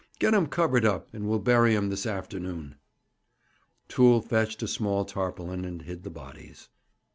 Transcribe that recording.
Get 'em covered up, and we'll bury 'em this afternoon.' Toole fetched a small tarpaulin, and hid the bodies.